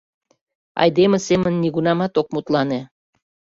— Айдеме семын нигунамат ок мутлане.